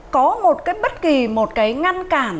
có một cái bất kỳ một cái ngăn cản